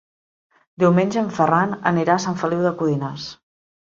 Diumenge en Ferran anirà a Sant Feliu de Codines.